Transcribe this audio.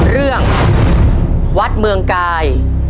เรื่องวัดเมืองกาย